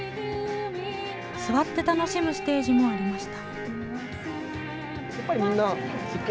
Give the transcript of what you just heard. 座って楽しむステージもありました。